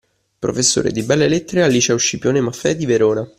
Professore di belle lettere al liceo Scipione Maffei di Verona.